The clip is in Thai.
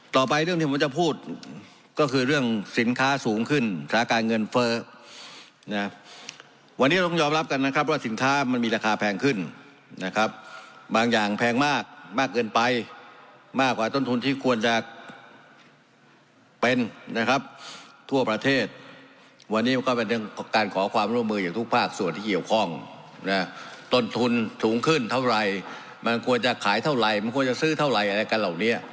แต่พูดก็คือเรื่องสินค้าสูงขึ้นสถาบันเงินเฟ้อวันนี้ต้องยอมรับกันนะครับว่าสินค้ามันมีราคาแพงขึ้นนะครับบางอย่างแพงมากมากเกินไปมากกว่าต้นทุนที่ควรจะเป็นนะครับทั่วประเทศวันนี้ก็เป็นเรื่องการขอความร่วมมืออยู่ทุกภาคส่วนที่เหยียวคล่องต้นทุนถูกขึ้นเท่าไหร่มันควรจะขายเท